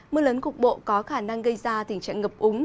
mưa lớn cục bộ có khả năng gây ra tình trạng ngập úng